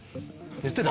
言ってた？